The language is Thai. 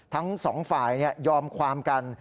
ทั้งสองฝ่ายยอมความกัน